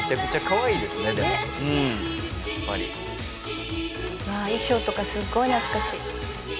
わぁ衣装とかすごい懐かしい。